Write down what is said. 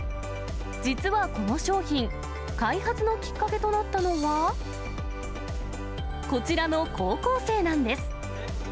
実はこの商品、開発のきっかけとなったのは、こちらの高校生なんです。